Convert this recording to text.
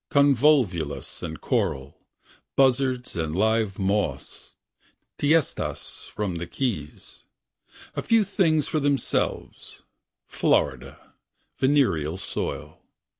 Convolvulus and coral. Buzzards and live moss, Tiestas from the keys, A few things for themselves, Florida, venereal soil.